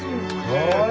・かわいい！